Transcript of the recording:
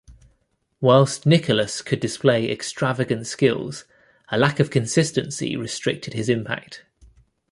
Whilst Nicholas could display extravagant skills, a lack of consistency restricted his impact.